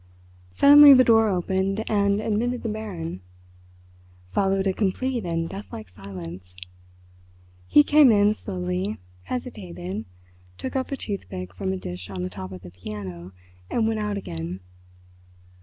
Suddenly the door opened and admitted the Baron. Followed a complete and deathlike silence. He came in slowly, hesitated, took up a toothpick from a dish on the top of the piano, and went out again.